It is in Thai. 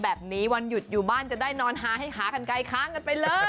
วันหยุดอยู่บ้านจะได้นอนฮาให้หากันไกลค้างกันไปเลย